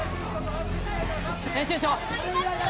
編集長。